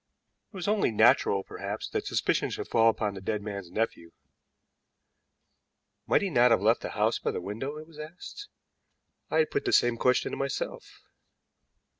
It was only natural, perhaps, that suspicion should fall upon the dead man's nephew. Might he not have left the house by the window? it was asked. I had put the same question to myself.